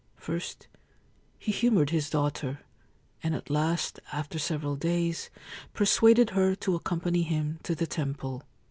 First he humoured his daughter, and at last, after several days, persuaded her to accompany him to the temple.